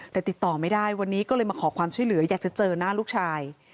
แต่ติดต่อไม่ได้วันนี้ก็เลยมาขอความช่วยเหลืออยากจะเจอหน้าลูกชาย